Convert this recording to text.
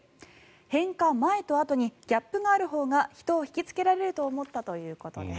変化前とあとにギャップがあるほうが人を引きつけられると思ったということです。